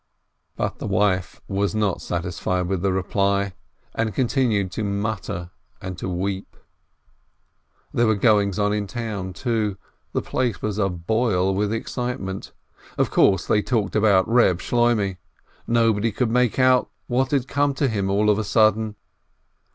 But the wife was not satisfied with the reply, and continued to mutter and to weep. There were goings on in the town, too. The place was aboil with excitement. Of course they talked about Eeb Shloimeh; nobody could make out what had come to him all of a sudden.